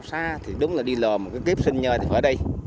xa thì đúng là đi lò một cái kiếp sinh nhơ thì phải ở đây